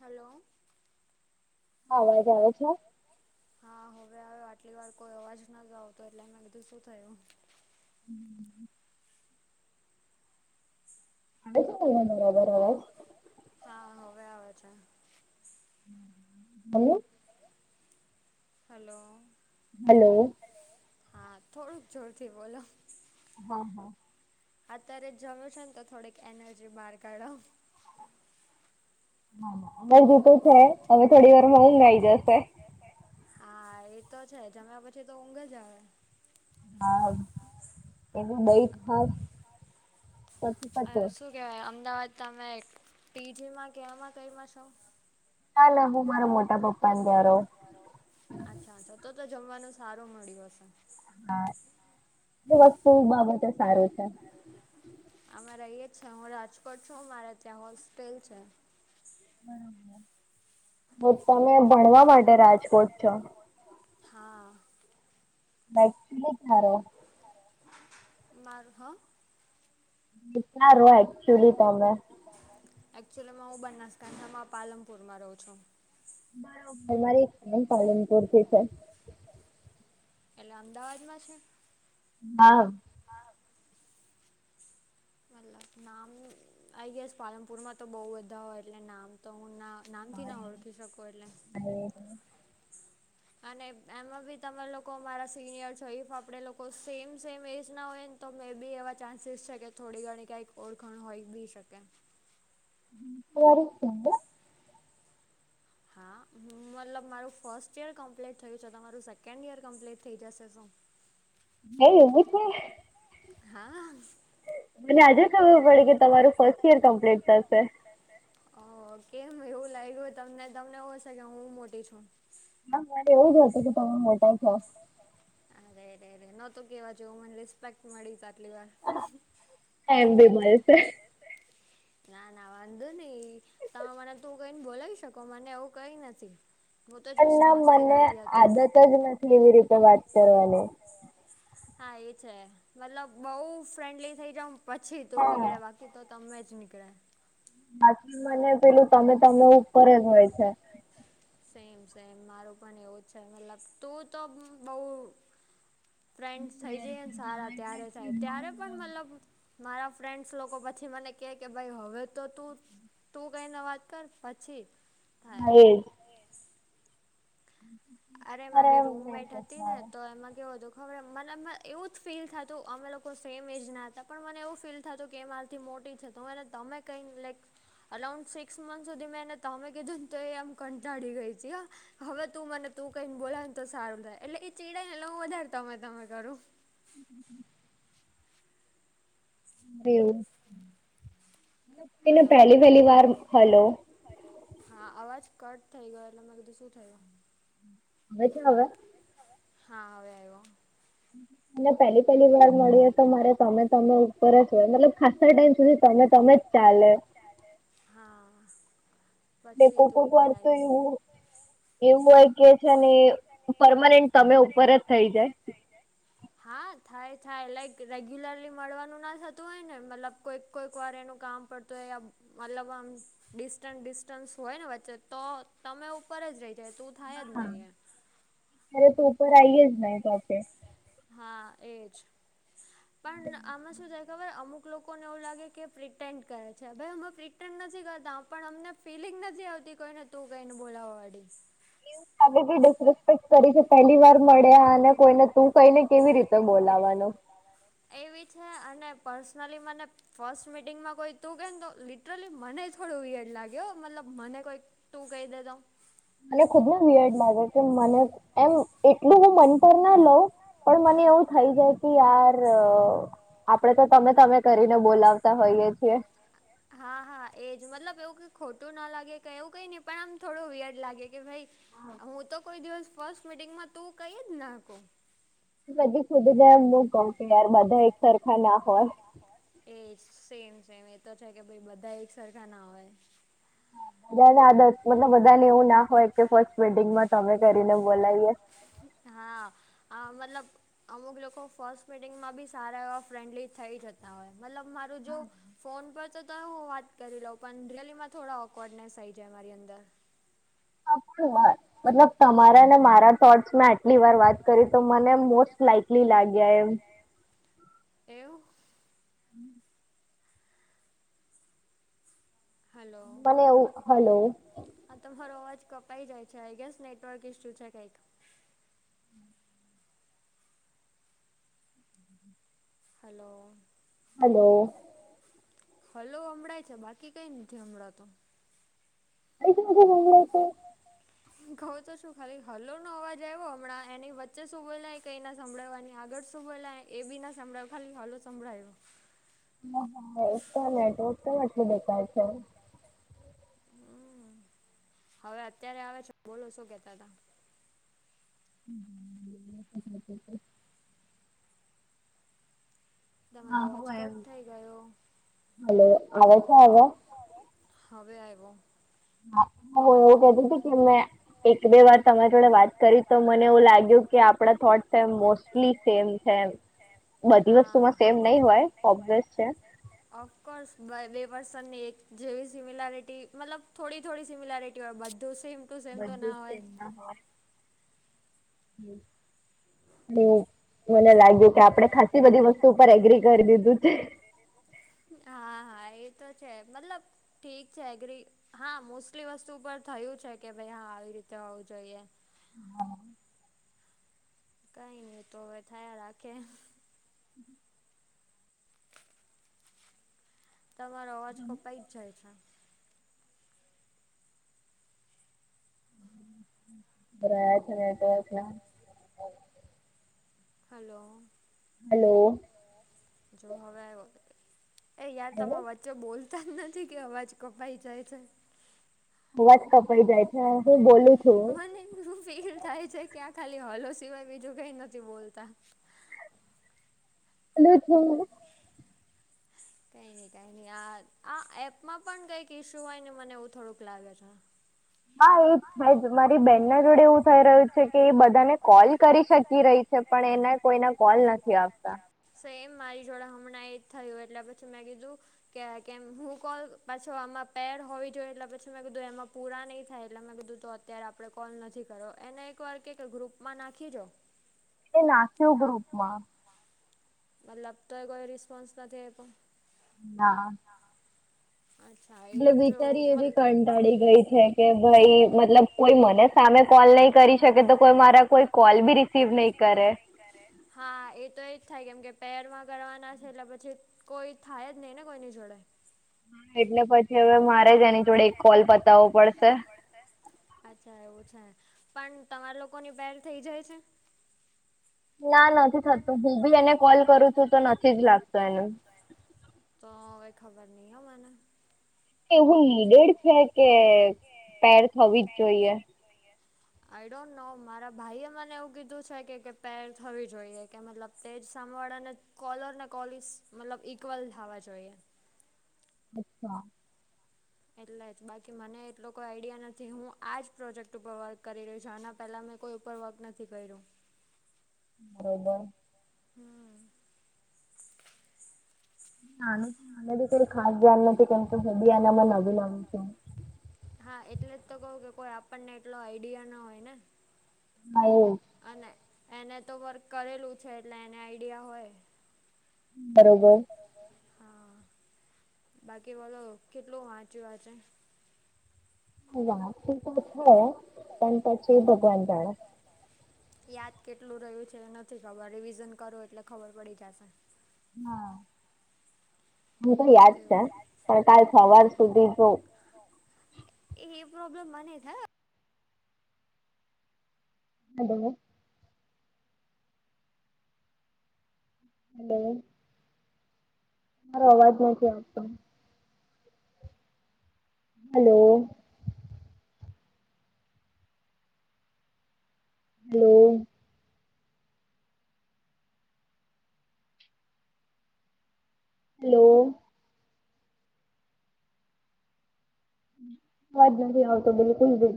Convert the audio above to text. Hello અવાજ આવે છે હા હવે આયો આટલી વાર કોઈ અવાજ ના જાવતો એટલે મેં કીધું શું થયું હમ્મ [unintelligible] મારો અવાજ હા હવે આવે છે એવુ હલો હલો હા થોડુંક જોરથી બોલો હા હા અત્યારે જમ્યું છે ને તો થોડીક એનર્જી બહાર કાઢો અ એનર્જી તો છે હવે થોડી વાર મા ઊંઘ આવી જશે એવુ છે હા એ તો છે જમ્યા પછી તો ઊંઘ જ આવે હા એભી [unintelligible] અ શું કેવાય અમદાવાદ તમે પીજીમાં કેમાં કઇ મા છો ના ના હું મારા મોટા પપ્પા ની ઘેર રહું અચ્છા અચ્છા તો તો જમવાનું સારું મળ્યું હશે હા એ વસ્તુ બાબતે સારું છે અમારે એ જ છે હું રાજકોટ છું મારે ત્યાં હોસ્ટેલ છે હ તમે ભણવા માટે રાજકોટ છો હા [unintelligible] મારુ હ વિચાર હોયે એક્ચુલીમાં હું બનાસકાંઠામાં પાલનપુરમાં રહું છું અમારી બેન પાલનપુરથી છે એટલે અમદાવાદમાં છે હા હા મતલબ નામ આઇ ગેશ પાલનપુર માં તો બહુ બધા હોય એટલે નામ તો હું ના નામથી ના ઓળખી શકું એટલે હલો અને એમાં બી તમે લોકો મારા સિનિયર છો જો ઈફ આપણેે લોકો સેમ સેમ એજ ના હોય તો મે બી એવા ચાન્સીસ છે કે થોડી ઘણી ક્યાંઈક ઓળખણ હોય બી શકે કેવી રીતૅ હા હું મતલબ મારું ફર્સ્ટ ઈયર કમ્પ્લીટ થયું છે તમારું સેકન્ડ ઈયર કમ્પ્લીટ થઈ જશે શું હા એવું છે હા મને આજે ખબર પડી કે તમારું ફર્સ્ટ યર કમ્પ્લીટ થશે ઓ કેમ એવું લાગ્યું તમને તમને એવું હશે કે હું મોટી છું હ મને એવું જ હતું કે તમે મોટા છો અરેરેરે નોતુ કેવા જેવુ મને રિસ્પેક્ટ મળી છે આટલી વાર એમ બી મળશે. ના ના વાંધો નહી તમે મને તું કહીને બોલાવી શકો મને એવું કઈ નથી. પણ ના મને આદત જ નથી એવી રીતે વાત કરવાની. હા એ છે મતલબ બઉ ફ્રેન્ડલી થઇ જાવ પછી તું નીકળે બાકી. એ તો તમે જ નીકળે. બાકી મને પેલું તમે તમે ઉપર જ હોય છે. સેમ સેમ મારું પણ એવું છે મતલબ તું તો બઉ. ફ્રેન્ડ થઈ જઈ સારા ત્યારે થાય ત્યારે પણ મતલબ. મારા ફ્રેન્ડસ લોકો પછી મને કે કે ભાઈ હવે તો તું તું કઈ ન વાત કર પછી. હા એ જ અરે મારી રૂમમેટ હતી ને તો એમાં કેવું હતું. હવે મને એવું જ ફીલ થતું અમે લોકો સેમ એ જ ના હતા પણ મને એવું ફીલ થતું કે એ મારીથી મોટી થતી. તો એને તમે કઈ લાઈક. અરાઉન્ડ સિક્સ મંથ સુધી મેં એને તમે કીધું ને તો એ આમ કંટાળી ગઈ છે હ હવે તું મને. તું કઈ બોલા ને તો સારું થાય એટલે એ ચીડાયને હું વધારે તમે તમે કરું. હમ. એવું પહલી પહેલી વાર હલો. હા અવાજ કટ થઇ ગયો એટલે મેં કીધું શું થયું. આવે છે હવે. હા હવે આવ્યો. ના પહેલી. પેલી વાર મળીએ તો મારે તમે તમે ઉપર જ હોય મતલબ ખાસા ટાઈમ સુધી તમે તમે જ ચાલે. હા બેકો કોક વારતો એવું. એવું હોય કે છે ને પરમાનન્ટ તમે ઉપર જ થઈ જાય હા થાય થાય લઇક રેગ્યુલરલી મળવાનું ના થતું હોય ને મતલબ કોઈક કોઈક વાર એનું કામ. પડતો મતલબમ. ડિસ્ટન્સ ડિસ્ટન્સ હોય ને વચ્ચે તો તમે ઉપર જ રહી જાય તું થાય જ નહી એમ ત્યારે તો ઉપર આઈએ જ નહી તે. હા એજ પણ આમાં શું થાય ખબર અમુક. લોકોને એવું લાગે કે પ્રિટેન્ટ કરે છે ભાઈ અમે પ્રિટેન્ટ નથી કરતા પણ અમને ફિલિંગ નથી આવતી કોઈને. તુ કઈને બોલાવા વાડીે. આ ડિસ રિસ્પેક્ટ કરી છે. પહેલી વાર મળ્યા અને કોઈને તું કહીને કેવી રીતે બોલાવાનું. એવી છે અને પર્સનલી મને. ફર્સ્ટ મીટિંગમાં કોઈ તું કેને તો લિટરલી મને થોડું વિર લાગ્યો મતલબ મને કોઈ. તું કહી દ તો. મને ખુબને વિયડ લાગે કે મને એમ એટલું હું મન. ના લઉ પણ મને એવું થઈ જાય કે યાર. આપડે તો તમે તમે કરીને બોલાવતા હોઈએ છીએ. હા હા એજ મતલબ એવું કઈ ખોટું ના લાગે કઈ એવું કઈ નહી પણ આમ થોડું વયડ લાગે કે ભાઈ. હું તો કોઈ દિવસ ફસ્ટ મીટિંગમાં તું કઈ જ નાખું. બધી ખુદી ને એમું કહઉ કે યાર બધા એક સરખા ના હોય. એ સેમ સેમ એતો છે કે ભાઈ બધા એક સરખા ના હોય. બધાને આદત મતલબ બધાને એવું ના હોય કે ફસ્ટ મીટિંગમાં તમે કરીને બોલાવીએ. હા આ મતલબ. અમુક લોકો ફર્સ્ટ મિટિંગમાં બી સારા એવા ફ્રેન્ડલી થઈ જ હતા. મતલબ મારું જો ફોન પર. તો હું વાત કરી લઉં પણ રિરેલીમાં થોડા ઓકવર્ડનેસ થઈ જાય મારી અંદર. પણ મતલબ. તમારા ને મારા થોટ્સ મેં આટલી વાર વાત કરી તો મને મોસ્ટ લાાઈકલી લાગ્યા એમ. એવું. હમ. હલો. આ તમારો અવાજ કપાઈ જાય છે આઈ ગેસ નેટવર્ક ઈસ્યુ છે કઈક. હલો. હલો. હલો હમળાય છે બાકી કઈ નથી હમણાં તો. કઈ જજ મ છે. કઉ તો શું ખાલી હલો નો અવાજ આવ્યો હમણાં એની વચ્ચે સુ બોલ કઈ ના સંભાવવાની આગળ. સુબુહે લ એ બી ના સમંભળાય ખાલી હલલો સંભળાય્યો. હ હા એક તો નેટવક તો એટલી બેકાર છે. હમ હવે અત્યારે આવે છે બોલો શું કેતા હતા. . હા હો એ હલો આવવે છે હવે. હવે આવવો. હગ એ દટ કેમમે. એક બે વાર તમારી જોડે વાત કરી તો મને એવું લાગ્યું કે આપણા થોટ્સ મોસ્ટલી સેમ. બધી વસ્તુમાં સેમ નહી હોય ઓબ્વિયસ છે. ઓફકોર્સ બે પર્સનની એક જેવી સિમિલરિટી મતલબ થોડી થોડી. સિમિરિટી હોય બધો સેમ. બધુંમ ના હોય બ. મને લાગ્યું કે આપડણે ખાાસસી બધી વસ્તુ ઉપર એગ્રી કરી દીધું છે. હા હા એ તો છે મતલબ. ઠીક છે એગ્રી હા મોસ્ટલી વસ્તુ ઉપ થયું છે કે ભાઈ હા આવી રીતે હોવું જોઈએ. હા. કઈ નહી તો હવે થયા રાખે. તમારો અવાજ કોપાઈ જ જાય છે. હમ. બ છે ટ છે. હલો. હલો. જો હવે, એ યાર તમેચ વચ્ચે બોલતા જ નથી કે અવાજ કપાઈ જાય છે? હવા જ કપાઈ જાય છે હું બોલું છું. મને એું ફીલ થાય છે કે આ ખાલી હોલો સિવાય બીજું કઈ નથી બોલતા. [unintelligible] [inaudible] કઈ નઈ કઈ નઈ આ આ એપમાં પણ કઈક ઈસ્યુ હોય ને મને એવું થોડુંક લાગે છે. હા એ જ થાય જ મારી બેહેન જોડે એવું થઈ રહ્યું છે કે એ બધાને કોલ કરી શકી રહી છે પણ એને કોઈને કોલ નથી આવતા. સેમ મારી જોડે હમણાં એજ થયું એટલે પછી મેં કીધું. કે કેમ હું ક પાછો આમાં પેર હોવી જોઈએ એટલે પછી મેં કીધું એમાં પૂરા નહીં થાય એટલે મેં કીધું અત્યારે આપડણે કોલ નથી કરો એને એક વાર કે ગ્રુપમાં નાખી દો. મતલબ તોય કોઈ રિસ્પોન્સ નથી આપ્યો. ના. અચ્છા. એટલે બિચારી એવી કંટાળી ગઈ છે કે ભાઈ મતલબ કોઈ મને સામે કોલ નહી કરી શકે તો કોઈ મારા કોઈ કોલ બી રિસીવ નહી કરે. હા એ તો એજ થાય કેમ કે પહેરમાં કરવાના છે એટલે પછી કોઈ થાય જ નહી ને કોઈ નની જોડે. હા એટલે પછી હવે મારે જ એની જોડે એક કોલ પતાવવો પડશે. અચ્છા એવું છે, પણ તમારા લોકો ની બેેર થઇ જાય છે? ના નથી થતો હું બી એને કોલ કરું છું તો નથી જ લાગતો એનું. તો હવે ખબર ન હ મને. એવું નીડેડ છે કે પેર થવી જ જોઈએ? આઈ ડોન્ટ નો મારા ભાઈ એ મને એવું કીધું છે કે પેર થવી જોઈએ કે મતલબ તે જ સાંભળને કોલર ને કોલિસ મતલબ ઇક્વલ થવા જોઈએ. અચ્છા. એટલે જ બાકી મને એટલો કોઈ આઈડિયા નથી હું આ જ પ્રોજેક્ટ ઉપર વર્ક કરી રહી છું આના પહેલા મેં કોઈ ઉપર વર્ક નથી કર્યો. બરોબર. હમ. નાનું મને બી કઈ ખાસ ધ્યાન નથી કેમ કે હબી આનામાં નવીન નવી છે. હા એટલે જ તો કઉ કે કોઈ આપણને એટલો આઈડિયા ના હોય ને. હ એ. અને એને તો વર્ક કરેલું છે એટલે એને આઈડિયા હોય. બરોબર. હા, બાકી વાોલો કેટલું વાંચ્યું વાં છે? વા તથ પણ તછ ભગવાન જાણ. યાદ કેટલું રહ્યું છે નથી ખબર રિવિઝન કરો એટલે ખબર પડી જશે. હા, હું તો યાદ છે પણ કાલ સવાર સુધી જો. એ પ્રોબ્લેમ મને થ હલો [unintelligible] મારો અવાજ નથી આપતો હલો હલો. હલો. વાજ હાલ તો બિલકુલ બિ.